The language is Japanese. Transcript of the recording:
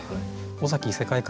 尾崎異世界観。